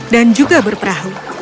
dan juga berperahu